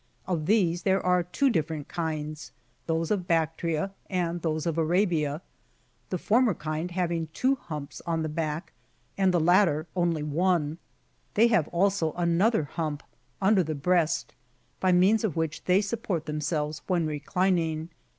Of these there are two different kinds, those of Bactria and those of Arabia ;^ the former kind having two humps on the back, and the latter only one ; they have also another hump under the breast, by means of which they support themselves when re clining.